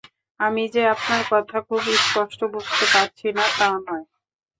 আমি যে আপনার কথা খুব স্পষ্ট বুঝতে পারছি তা নয়।